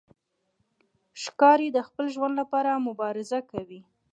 ښکاري د خپل ژوند لپاره مبارزه کوي.